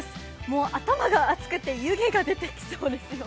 もう頭が熱くて湯気が出てきそうですよ。